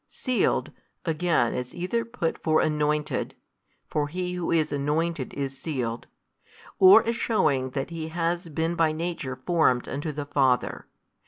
Sealed again is either put for anointed (for he who is anointed is sealed), or as shewing that He has been by Nature formed unto the Father.